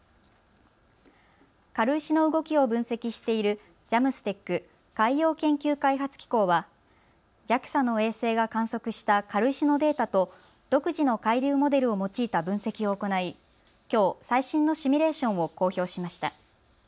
軽石の動きを分析しているＪＡＭＳＴＥＣ・海洋研究開発機構はＪＡＸＡの衛星が観測した軽石のデータと独自の海流モデルを用いた分析を行い、きょう最新のシミュレーションを公表しました。